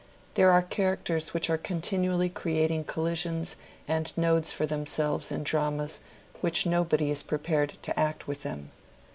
There are characters which are continually creating collisions and nodes for themselves in dramas which nobody is prepared to act with them.